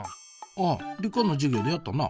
あっ理科の授業でやったな。